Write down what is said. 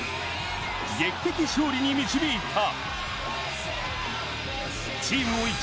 劇的勝利に導いた。